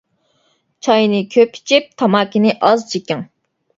چاينى كۆپ ئىچىپ، تاماكىنى ئاز چېكىڭ.